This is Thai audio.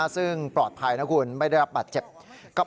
ซึ่งปลอดภัยนะคุณไม่ได้รับบาดเจ็บ